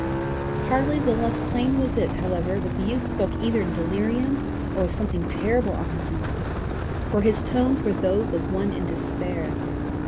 Hardly the less plain was it, however, that the youth spoke either in delirium or with something terrible on his mind, for his tones were those of one in despair.